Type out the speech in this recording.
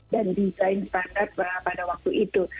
dan desain standar pada waktu itu